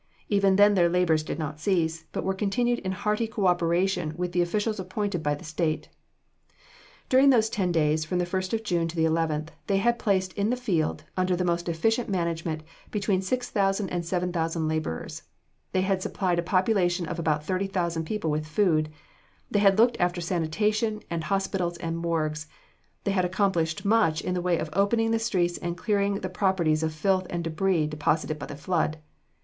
Even then their labors did not cease, but were continued in hearty co operation with the officials appointed by the State. During those ten days from the first of June to the eleventh, they had placed in the field under the most efficient management between 6,000 and 7,000 laborers, they had supplied a population of about 30,000 people with food; they had looked after sanitation and hospitals and morgues; they had accomplished much in the way of opening the streets and clearing the properties of filth and debris deposited by the flood.